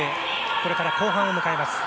これから後半を迎えます。